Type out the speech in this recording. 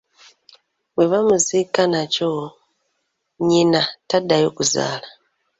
Bwe bamuziika naky'o nnyina taddayo kuzaala.